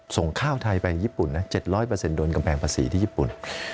ส่งข้าวไทยไปญี่ปุ่นนะ๗๐๐โดนกำแพงภาษีที่ญี่ปุ่น